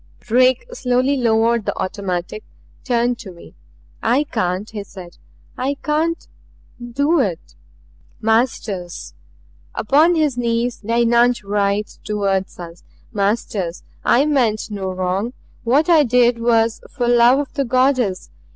Drake slowly lowered the automatic; turned to me. "I can't," he said. "I can't do it " "Masters!" Upon his knees the eunuch writhed toward us. "Masters I meant no wrong. What I did was for love of the Goddess.